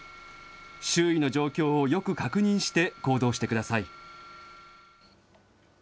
周囲の状況をよく確認して行動してください。